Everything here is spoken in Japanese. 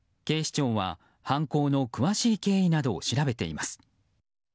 警視庁は犯行の詳しい経緯などを調べています。